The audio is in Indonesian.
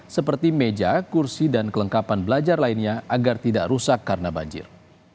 seperti meja kursi dan kelengkapan belajar lainnya agar tidak rusak karena banjir